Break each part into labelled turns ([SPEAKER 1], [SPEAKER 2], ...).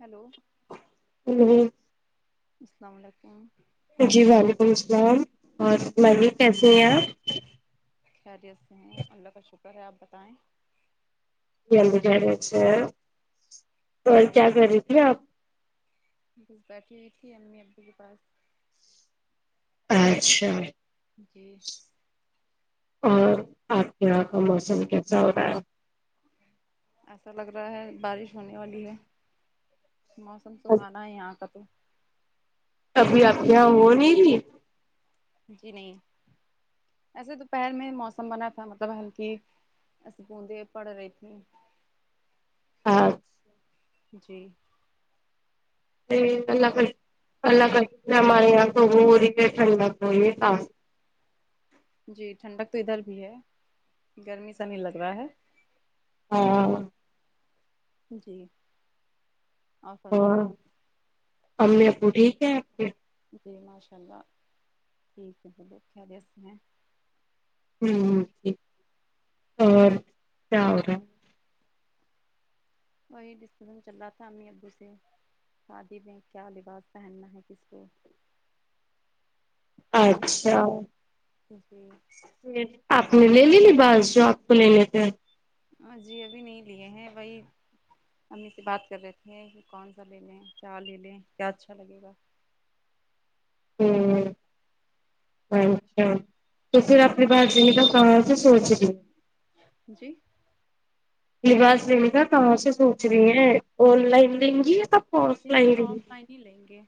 [SPEAKER 1] hello
[SPEAKER 2] hello
[SPEAKER 1] السلام علیکم
[SPEAKER 2] جی وعلیکم السلام اور میھوین کیسی ہیں آپ
[SPEAKER 1] خیریت سے ہیں اللہ کا شکر ہے آپ بتائیں
[SPEAKER 2] جلد رہ سے اور کیا کر رہی تھی آپ
[SPEAKER 1] بس بیٹھی ہوئی تھی امی ابو کے پاس
[SPEAKER 2] اچھا
[SPEAKER 1] جی
[SPEAKER 2] اور آپ کے یہاں کا موسم کیسا ہو رہا ہے
[SPEAKER 1] ایسا لگ رہا ہے بارش ہونے والی ہے موسم سہانا ہے یہاں کا تو
[SPEAKER 2] ابھی آپ یہاں ھو نہیں رہی
[SPEAKER 1] جی نہیں ایسے دوپہر میں موسم بنا تھا مطلب ہلکی ایسے بوندے پڑھ رہی تھی
[SPEAKER 2] ہاں
[SPEAKER 1] جی
[SPEAKER 2] جی اللہ کا اللہ کا شکر ہے ہمارے یہا تو وہ وہ ری ٹنڈا وه یہ سب
[SPEAKER 1] جی ٹھنڈک تو ادھر بھی ہے گرمی سا نہیں لگ رہا ہے
[SPEAKER 2] ہاں
[SPEAKER 1] جی
[SPEAKER 2] اور امی ابو ٹھیک ہے آپ کے
[SPEAKER 1] جی ماشاء اللہ ٹھیک ہے سب لوگ خیریاتھ سے ہیں
[SPEAKER 2] ھم ھم جی اور کیا ہو رہا
[SPEAKER 1] وہی ڈسکسن چل رہا تھا امی ابو سے شادی میں کیا لباس پہننا ہے کس کو
[SPEAKER 2] اچھا
[SPEAKER 1] جیی
[SPEAKER 2] جی آپ نے لے لیی باز جو آپ کو لے لیتے ہیں
[SPEAKER 1] ہاں جی ابھی نہیں لیے ہیں وہی امی سے بات کر رہے تھے کہ کون سا لے لیں کیا لے لیں کیا اچھا لگے گا
[SPEAKER 2] ہوں اچھا توسی آپ کے پاس ڈیلیور کہاں سے سوچی ریوں
[SPEAKER 1] جی
[SPEAKER 2] لباس دین کا کہاں سے سوچ رہی ہیں آن لائن لیں گی کپ
[SPEAKER 1] جی نہیں آف لائن ہی لیں گے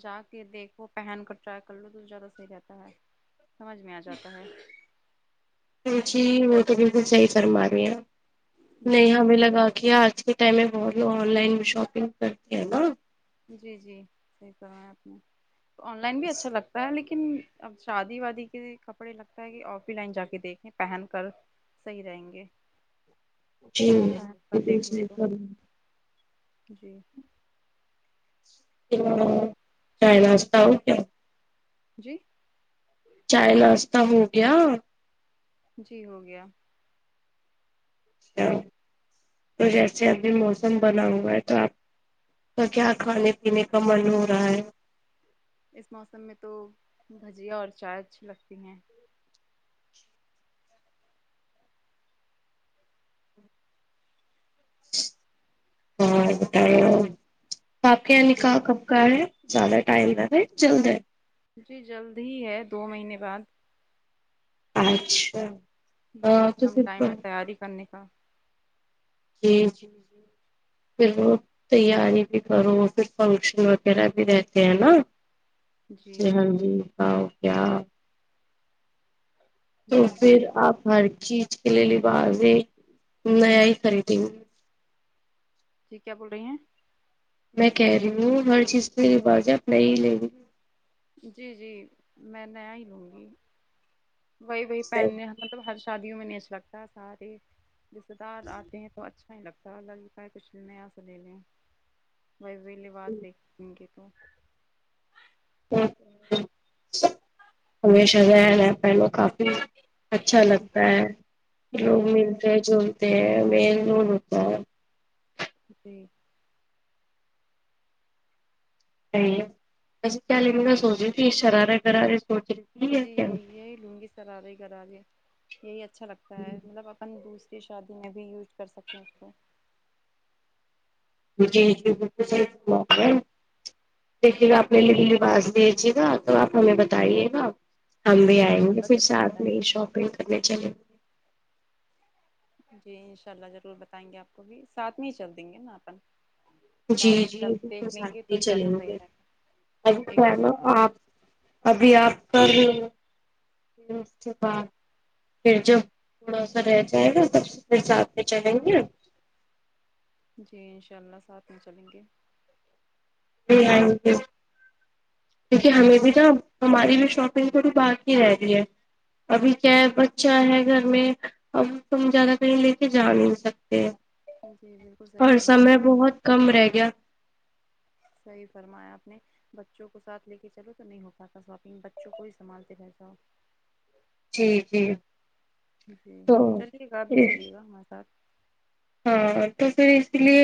[SPEAKER 1] جا کے دیکھو پہن کر ٹرائی کر لو تو زیادہ صحیح رہتا ہے سمجھ میں آ جاتا ہے
[SPEAKER 2] مچی وہ تو بالکل صحی فرما رہی ہیں آپ نہیں
[SPEAKER 1] جی
[SPEAKER 2] ہمیں لگا کے اج سے پہلے وہ بھی آن لائن شاپنگ کرتی ہیں نا
[SPEAKER 1] جی جی صحیح فرمایا آپ نے آن لائن بھی اچھا لگ تا لیکن اب شادی وادی کے کپڑے لگتا ہے کہ آف ہی لائن جا کے دیکھیں پہن کر صحیح رہیں گے
[SPEAKER 2] جی
[SPEAKER 1] پر آپ
[SPEAKER 2] بالکل
[SPEAKER 1] دیکھ لو
[SPEAKER 2] صحیح
[SPEAKER 1] کو جی
[SPEAKER 2] کیھدر ہو چائے ناشتہ ہو گیا
[SPEAKER 1] جی
[SPEAKER 2] چائے ناشہ ہو گیا
[SPEAKER 1] جی ہو گیا
[SPEAKER 2] تو جیسے ابھی موسم بنا ہوا ہے تو آپ تو کیا کھانے پینے کا من ہو رہا ہے
[SPEAKER 1] اس موسم میں تو بھجیا اور چائے اچھی لگتی ہیں
[SPEAKER 2] اور بتایو آپ کے یہاں
[SPEAKER 1] جی
[SPEAKER 2] نکہا کب کہاں ہے زیادہ ٹائم ہے ر جلد ہے
[SPEAKER 1] جی جلد ہی ہے دو مہینے بعد
[SPEAKER 2] اچھا ہاں
[SPEAKER 1] بہت
[SPEAKER 2] تو
[SPEAKER 1] کم
[SPEAKER 2] پھر
[SPEAKER 1] ٹائم ہے تیاری کرنے کا
[SPEAKER 2] جی پھر وہ تیاری بھی کرو اور پھر فنکشن وغیرہ بھی رہتے ہیں نا جی ہاں جی ہ کیا تو
[SPEAKER 1] جی
[SPEAKER 2] پھر
[SPEAKER 1] صحیح تھا
[SPEAKER 2] آپ ہر چیز کے لیے لبازیں نیا ہی خریدیں گے
[SPEAKER 1] جی کیا بول رہی ہیں
[SPEAKER 2] میں کہہ رہی ہوں ہر چیز کے لباس آپ نائی ہی لے گی
[SPEAKER 1] جی جی میں نیا ہی لوں گی وہی وہی پہننے مطلب ہر شادیوں میں نہیں اچھا لگتا سارے رشتے دار آتے ہیں تو اچھا نہیں لگتا ہو لگتا ہے کچھ نیا سا لے لیں بھائی وہی لباس دیکھ دیں گے تو
[SPEAKER 2] ہ ہمیشہ نیا نیا پہنوں کا اچھا لگتا ہے لوگ
[SPEAKER 1] جی جی
[SPEAKER 2] ملتے ہیں جو یہ مین لون ہوتا ہے
[SPEAKER 1] جی
[SPEAKER 2] ا وسے کیا لینا کا سوچ رہی تھی اس شرارے گرارے
[SPEAKER 1] جی یہی یہی لونگی سرارے گرارے یہی اچھا لگتا ہے مطلب اپن دوس شادیوں میں بھی یوز کر سکتے ہیں اس کو
[SPEAKER 2] جی جی بالکل صحیح فرما رہے ہو تو پھر آپ نے لی بھی لباس لیجیے گا تو آپ ہمیں بتائیے گا ہم بھی
[SPEAKER 1] جی
[SPEAKER 2] آئیں
[SPEAKER 1] انشاء
[SPEAKER 2] گے
[SPEAKER 1] اللہ
[SPEAKER 2] پھر
[SPEAKER 1] ضرور
[SPEAKER 2] ساتھ
[SPEAKER 1] بتائیں
[SPEAKER 2] میں ہی
[SPEAKER 1] گے
[SPEAKER 2] شاپنگ کرنے چلیں
[SPEAKER 1] جی ان شاء اللہ ضرور بتائیں گے آپ کو بھی ساتھ میں ہی چل دیں گے نا اپن
[SPEAKER 2] جی
[SPEAKER 1] ساتھ میں
[SPEAKER 2] جی
[SPEAKER 1] چل
[SPEAKER 2] بالکل
[SPEAKER 1] دیکھ لیں
[SPEAKER 2] ساتھ
[SPEAKER 1] گے تو
[SPEAKER 2] میں
[SPEAKER 1] زیادہ
[SPEAKER 2] چلے
[SPEAKER 1] صحیح
[SPEAKER 2] گے
[SPEAKER 1] رہے گا
[SPEAKER 2] ابھی
[SPEAKER 1] ایک
[SPEAKER 2] پہنو
[SPEAKER 1] دوسرے
[SPEAKER 2] آپ ابھی آپ کا وہ وہ اس کے بعد پھر جب تھو ڑا سا رہ جائے گا سب پھر ساتھ میں چلیں گے
[SPEAKER 1] جی ان شاء اللہ ساتھ میں چلیں گے
[SPEAKER 2] جی آئیںگے دیکھئے ہمیں بھی تو ہماری بھی شاپنگ تھوڑی باقی رہ گئی ہے ابھی کیا ہے بچہ ہے گھر میں اب تم زیادہ کہیں لے کے جا نہیں سکتے
[SPEAKER 1] جی بالکل صحیح
[SPEAKER 2] اور سمے
[SPEAKER 1] فرمارہی ہے
[SPEAKER 2] بہت کم رہ گیا
[SPEAKER 1] صحیح فرمایا آپ نے بچوں کو سا تھ لے کے چلو تو نہیں ہو پاتا ساپنگ بچوں کو ہی سنبھالتے رہ جاؤ
[SPEAKER 2] جی جی
[SPEAKER 1] جی
[SPEAKER 2] تو
[SPEAKER 1] چلیے گا آپ بھی چلیے گا ہمارے ساتھ
[SPEAKER 2] ہاں تو پھر اس لیے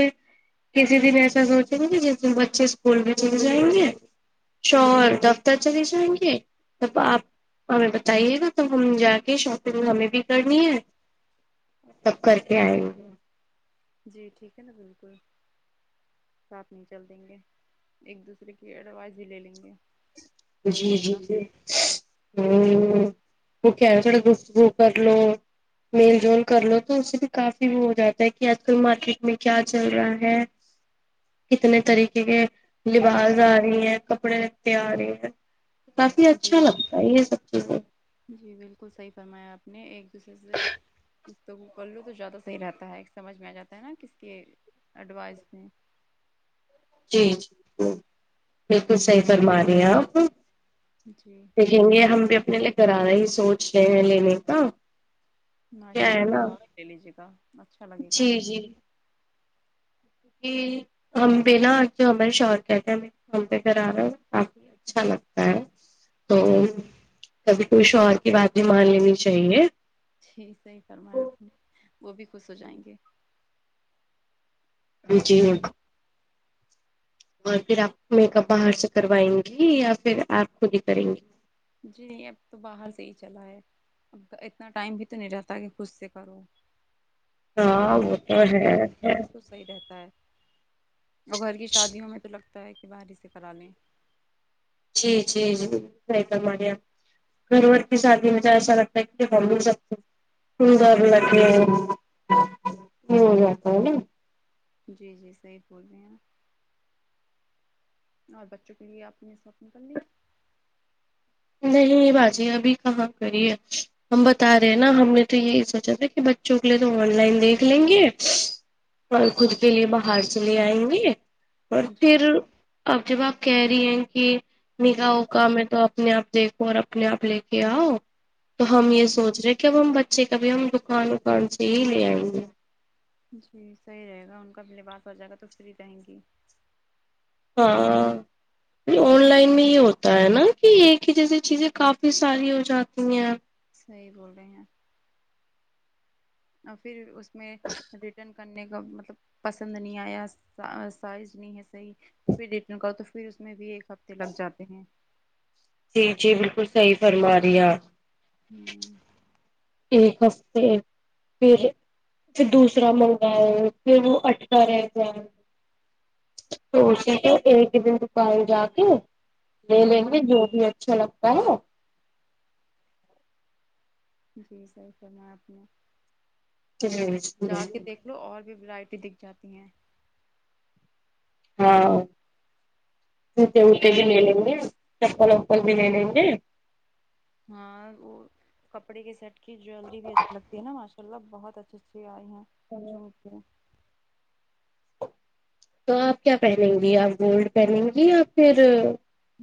[SPEAKER 2] کسی دن ایسا سوںچے گے کہ جس دن بچے اسکول میں چلے جائیں گے شور دفتر چلے جائیں گے تب آپ ہمیں بتائیے گا تو ہم جا کے شاپنگ ہمیں بھی کرنی ہے تب کر کے ائیںگے
[SPEAKER 1] جی ٹھیک ہے نا بالکل ساتھ میں چل دیں گے ایک دوسرے کی ایڈوائز بھی لے لیںگے
[SPEAKER 2] جی جی وہ کیا کر لو میل جول کر لو تو اس سے بھی کافی وہ ہو جاتا ہے کہ آج کل مارکیٹ میں کیا چل رہا ہے کتنے طریقے کے لباس آ رہی ہیں کپڑے لتتے آ رہے ہیں کافی اچھا
[SPEAKER 1] جی
[SPEAKER 2] لگتا ہے یہ سب چیزیں
[SPEAKER 1] جی بالکل صحیح فرمایا آپ نے ایک دوسرے سے تو بولو تو زیادہ صحیح رہتا ہے ایک سمجھ میں آ جاتا ہے نا کس کے ایڈوائیز میں
[SPEAKER 2] جی جی جی بالکل صحیح فرما رہی ہیں آپ
[SPEAKER 1] جی
[SPEAKER 2] دیکھیں گے ہم بھی اپنے لیےغرارہ ہی سوچ رہے ہیں لینے کا
[SPEAKER 1] ماشاء
[SPEAKER 2] کیا ہے
[SPEAKER 1] اللہ
[SPEAKER 2] نا
[SPEAKER 1] غرارہ لے لیجیے گا اچھا لگے گا
[SPEAKER 2] جی ھمم ہم پے نہ ہمارے شوہرکہتے ہیں میں ہم پہ غرارہ اچھا لگتا ہے تو
[SPEAKER 1] جی
[SPEAKER 2] کبھی کچھ شوہر کی بات بھی مان لینی چاہیے
[SPEAKER 1] جی صحیح فرمایا اپ نے وہ بھی خوش ہو جائیں گے
[SPEAKER 2] جی بالکل اور پھر آپ میکپ باہر سے کروائیں گی یا پھر آپ خود ہی کریں گی
[SPEAKER 1] جی اب تو باہر سے ہی چلا ہے اب اتنا ٹائم بھی تو نہیں رہتاہے کہ خود سے کروں
[SPEAKER 2] ہاں وہ تو ہے ہے
[SPEAKER 1] [unintelligible] صحیح رہتا ہے اور گھر کی شادیوں میں تو لگتا ہے کہ باہر ہی سے کرا لیں
[SPEAKER 2] جی جی جی صحیح فرما ری ہے آپ گھر ورکی شادی مجھے ایسا لگتا ہے کہ [unintelligible] [unintelligible]
[SPEAKER 1] جی جی صحیح بول رہی ہے آپ اور بچوں کے لیے آپ نے شوپنگ کرلی
[SPEAKER 2] نہیں باجی ابھی کہاں کری ہے ہم بتا رہے ہیں نا ہم نے تو یہی سونچا تھا کہ بچوں کے لیے تو آن لائن دیکھ لیں گے اور خود کے لیے باہر سے لے آئیں گے اور
[SPEAKER 1] جی
[SPEAKER 2] پھر اب جب آپ کہہ رہی ہیں کی نگاہوں کامیں تو اپنے آپ دیکھو اور اپنے آپ لے کے آؤ تو ہم یہ سوچ رہے کب ہم بچے کبھی ہم دکان وکان سے ہی لے آئیں گے
[SPEAKER 1] جی صحیح رہے گا ان کا بھی لباس ہو جائے گا تو فری رہیں گی
[SPEAKER 2] ہاں آن لائن میں یہ ہوتا ہے نا کہ ایک ہی جیسی چیزیں کافی ساری ہو جاتی ہیں
[SPEAKER 1] صحیح بول رہے ہیں اور پھر اس میں ریٹرن کرنے کا مطلب پسند نہیں آیا سائز نہیں ہے صحیح پھر رٹرن کا تو پھر اس میں بھی ایک ہفتے لگ جاتے ہیں
[SPEAKER 2] جی جی بالکل صحی فرما رہی آپ
[SPEAKER 1] ہوں
[SPEAKER 2] ایک ہفتے پھر اس دوسرا منگواؤ پھر وہ اٹکا رہ جائے سوچا تو ایک دن توکار جا کے لے
[SPEAKER 1] جی
[SPEAKER 2] لیں گے جو بھی اچھا لگتا ہے
[SPEAKER 1] جی سر سر میں آپ نے
[SPEAKER 2] [unintelligible]
[SPEAKER 1] جا کے دیکھ لو اور بھی ورائٹی دکھ جاتی ہیں
[SPEAKER 2] ہاں ستے وتے بھی ل لیں گے چپل وپل بھی لے لیں گے
[SPEAKER 1] ہاں وہ کپڑے کے سیٹ کی جویلری بھی اچھی لگتی ہے نا م لہ بہت اچھے اچے آئے ہیں جو متے
[SPEAKER 2] تو آپ کیا پہنیں گی آپ گولڈ پہنیں گی یا پھر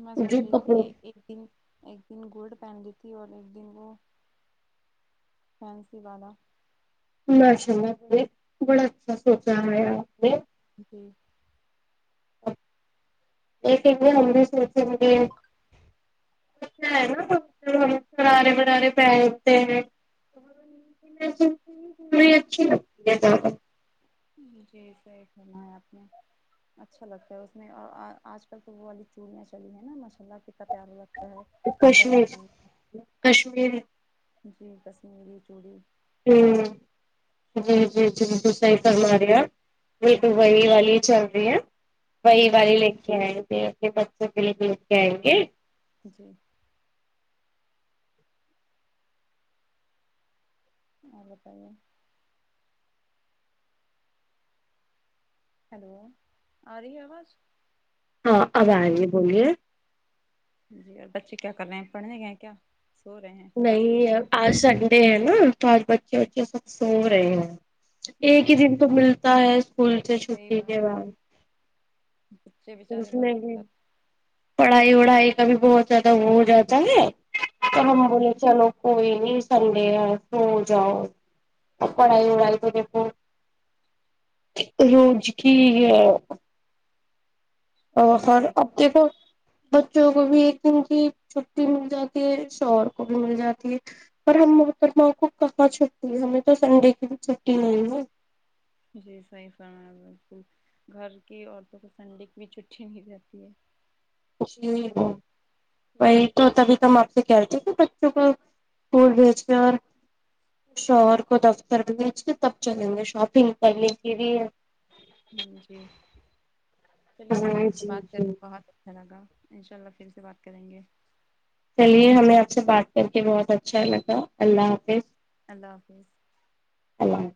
[SPEAKER 1] میں
[SPEAKER 2] جو
[SPEAKER 1] سوچ رہی
[SPEAKER 2] کپڑوں
[SPEAKER 1] تھی ایک دن ایک دن گولڈ پہن لی تھی اور ایک دن وہ فینسی والا
[SPEAKER 2] مشاء اللہ نے بڑا اچھا سوچا ہے آپ نے
[SPEAKER 1] جی
[SPEAKER 2] ایک کہے ہم بھی اس مے اچچے لگے ہے ا ہے نا ہم غرارے برارے پہنتے ہیں پوری اچھی لگتی ہے دعوت
[SPEAKER 1] جی صحیح فرمایا اپ نے اچھا لگتا ہے اس میں اور آج کل تو وہ والی چوڑیاں چلی ہیں نا مسالہ کے بڑا ٹائم لگتا ہے بینک کے
[SPEAKER 2] کشمیر
[SPEAKER 1] ٹائم پہ
[SPEAKER 2] کشمیر
[SPEAKER 1] جی کشمیری چوڑی
[SPEAKER 2] ہوں جی جی جی ج صحی فرما رہی ہپ میں دبئی والی چل رہی ہیں وہی
[SPEAKER 1] جی
[SPEAKER 2] والے لے کے آئیں گے کے بچوں کے لوگ لے کے آئیں گے
[SPEAKER 1] جی اور بتائیے ہیلو آ رہی ہے آواز
[SPEAKER 2] ہاں اب آے بولیے
[SPEAKER 1] جی اور بچے کیا کر رہے ہیں پڑھنے گ ہیں کیا سو رہے ہیں آج تو
[SPEAKER 2] نہیں
[SPEAKER 1] سنڈے
[SPEAKER 2] آج سڈ سنڈے ہے نا تو آج بچے وچے سب سو رہے ہیں ایک ہی دن تو ملتا ہے اسکول سے
[SPEAKER 1] صحیح
[SPEAKER 2] چھٹی کے
[SPEAKER 1] بات ہے
[SPEAKER 2] بعد
[SPEAKER 1] بچے بچارے
[SPEAKER 2] اس مے بھی
[SPEAKER 1] بہت
[SPEAKER 2] پڑھائی وڑھائی کا بھی بہت زیادہ وہ ہو جاتا ہے تو
[SPEAKER 1] جی
[SPEAKER 2] ہم بولے چلو کوئی نہیں سنڈے آ تو جاؤ پڑھائی وڑھائی کبھی فون روز ٹھیک ہے اور خر
[SPEAKER 1] جی
[SPEAKER 2] اب دیکھو بچوں کو بھی ایک دن کی چھٹی مل جاتی ہے شوہر کو بھی مل جاتی ہے پر ہم محترمہ کو کہاں چھٹی ہے ہمیں تو سنڈے کی بھی چھٹی نہیں ہے
[SPEAKER 1] جی صحیح فرما بالکل گھر کی عورتوں کو سنڈے کی بھی چھٹی نہیں رہتی ہے
[SPEAKER 2] کچ نہی وہ وہی تو تبھی تو ہم آپ سے کہتے کہ بچوں کواسکول بھیج کے اور شوہر کو دفتر بھیج کے تب چلیں گے شاپنگ کرنے کے لیے
[SPEAKER 1] ہ جی چلیے مجھے
[SPEAKER 2] ہاں
[SPEAKER 1] آپ سے
[SPEAKER 2] جی
[SPEAKER 1] بات
[SPEAKER 2] جی
[SPEAKER 1] بہت اچھالگا ان شاء اللہ پھر سے بات کریں گے
[SPEAKER 2] چلیے ہمیں آپ سے بات کر کے بہت اچھا لگا اللہ حافظ
[SPEAKER 1] اللہ حافظ
[SPEAKER 2] اللہ